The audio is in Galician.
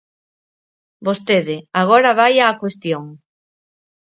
Vostede, agora vaia á cuestión.